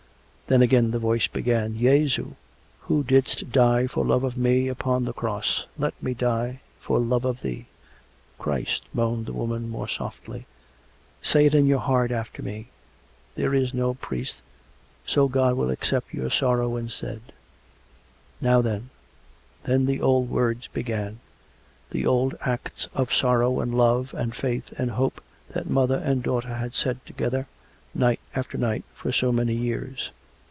Then again the voice began: " Jesu, Who didst die for love of me — upon the Cross — let me die — for love of Thee." " Christ !" moaned the woman more softly. " Say it in your heart, after me. There is no priest. So God will accept your sorrow instead. Now then " Then the old words began — the old acts of sorrow and love and faith and hope, that mother and daughter had said together, night after night, for so many years.